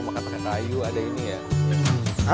mau makan makan tayu ada ini ya